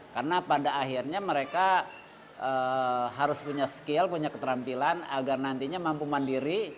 karena pada akhirnya mereka harus punya skill punya keterampilan agar nantinya mampu mandiri